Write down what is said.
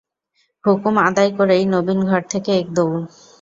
হুকুম আদায় করেই নবীন ঘর থেকে এক দৌড়।